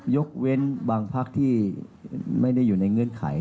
ยกเว้นบางพักที่ไม่ได้อยู่ในเงื่อนไข